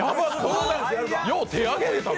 よう、手挙げれたな。